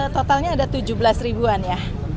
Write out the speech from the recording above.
totalnya ada tujuh belas ribuan ya